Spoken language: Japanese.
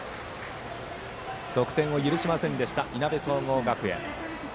得点を許しませんでしたいなべ総合学園。